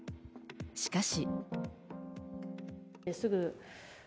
しかし。